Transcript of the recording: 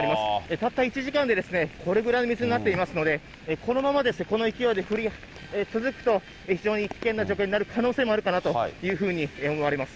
たった１時間でこれぐらいの水になっていますので、このままこの勢いで降り続くと、非常に危険な状況になる可能性もあるかなというふうに思われます。